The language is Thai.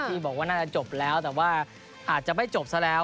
ที่บอกว่าน่าจะจบแล้วแต่ว่าอาจจะไม่จบซะแล้ว